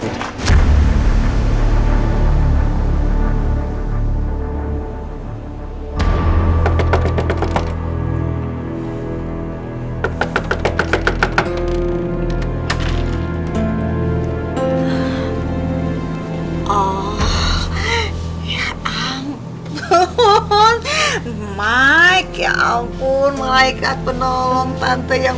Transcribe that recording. oh ya ampun mike ya ampun malaikat penolong tante yang